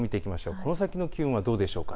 この先の気温はどうでしょうか。